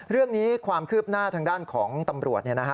เรื่องนี้ความคืบหน้าทางด้านของตำรวจ